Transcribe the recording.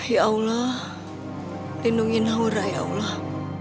ya allah lindungi naura ya allah